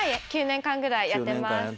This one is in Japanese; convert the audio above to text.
９年間ぐらいやってます。